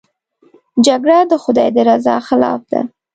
جګړه د خدای د رضا خلاف ده